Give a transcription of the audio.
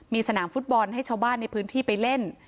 มีสนามฟุตบอลให้ชาวบ้านในพื้นที่ไปเล่น